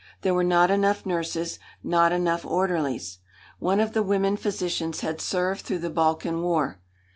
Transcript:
There were not enough nurses, not enough orderlies. One of the women physicians had served through the Balkan war.